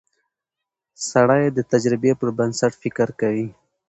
سړی د تجربې پر بنسټ فکر کوي